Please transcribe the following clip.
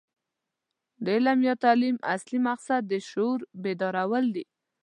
د علم یا تعلیم اصلي مقصد د شعور بیدارول دي.